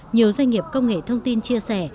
nhiều doanh nghiệp công nghệ thông tin chia sẻ